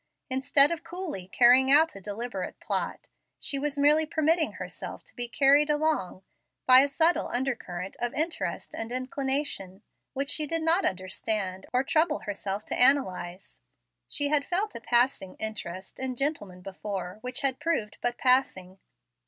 Instead of coolly carrying out a deliberate plot, she was merely permitting herself to be carried along by a subtle undercurrent of interest and inclination, which she did not understand, or trouble herself to analyze. She had felt a passing interest in gentlemen before, which had proved but passing.